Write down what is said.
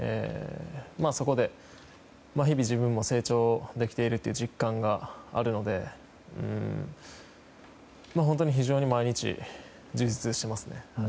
そこで、日々自分も成長できているという実感があるので本当に非常に毎日充実していますね。